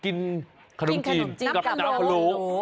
กินขนมจริงกับน้ำผลโล